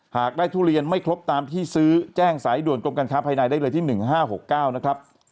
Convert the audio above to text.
หากได้ทุเรียนไม่ครบตามที่ซื้อแจ้งสายด่วนกรมการค้าภายในได้เลยที่๑๕๖๙นะครับ